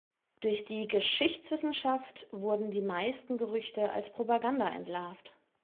Durch die Geschichtswissenschaft wurden die meisten Gerüchte als Propaganda entlarvt.